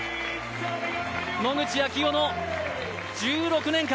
野口啓代の１６年間